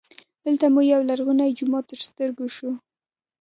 دلته مو هم یولرغونی جومات تر ستر ګو سو.